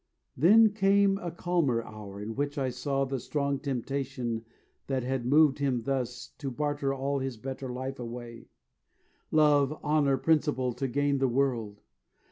There came a calmer hour in which I saw The strong temptation that had moved him thus To barter all his better life away Love, honor, principle to gain the world.